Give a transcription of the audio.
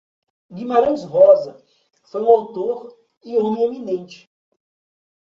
Guimarães Rosa foi um autor e homem eminente.